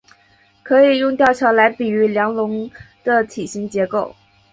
可以用吊桥来比喻梁龙的体型结构。